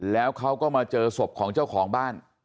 แล้วเขาก็มาเจอศพของเจ้าของบ้าน